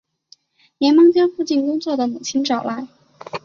连忙将在附近工作的母亲找来